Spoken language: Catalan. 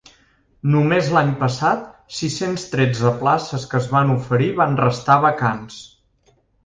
Només l’any passat, sis-cents tretze places que es van oferir van restar vacants.